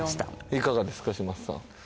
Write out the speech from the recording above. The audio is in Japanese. いかがですか嶋佐さん